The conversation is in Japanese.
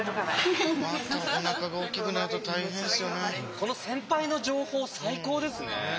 この先輩の情報最高ですね。